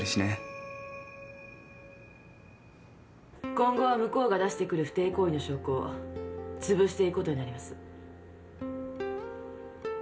今後は向こうが出してくる不貞行為の証拠をつぶしていくことになります。